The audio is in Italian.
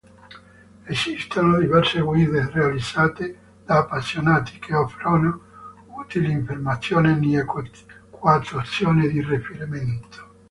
Esistono diverse guide, realizzate da appassionati, che offrono utili informazioni e quotazioni di riferimento.